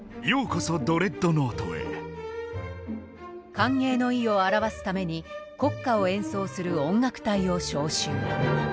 歓迎の意を表すために国歌を演奏する音楽隊を招集。